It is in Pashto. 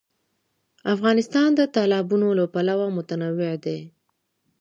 افغانستان د تالابونه له پلوه متنوع دی.